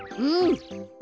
うん。